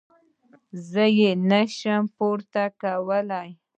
زه يې نه شم پورته کولاى.